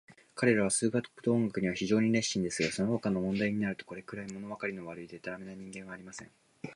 彼等は数学と音楽には非常に熱心ですが、そのほかの問題になると、これくらい、ものわかりの悪い、でたらめな人間はありません。